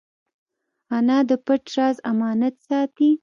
انا د پټ راز امانت ساتي